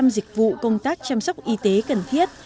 năm dịch vụ công tác chăm sóc y tế cần thiết